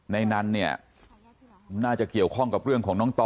ในนั้นเนี่ยน่าจะเกี่ยวข้องกับเรื่องของน้องต่อ